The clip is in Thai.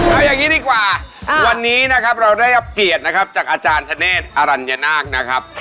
เอาอย่างนี้ดีกว่าวันนี้นะครับเราได้รับเกียรตินะครับจากอาจารย์ธเนธอรัญญนาคนะครับ